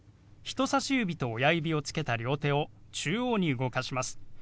人さし指と親指をつけた両手を中央に動かします。